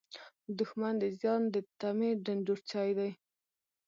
دښمن د زیان د تمې ډنډورچی دی